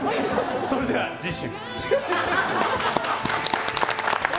それでは次週。